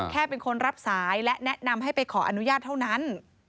แค่เป็นคนรับสายและแนะนำให้ไปขออนุญาตเท่านั้น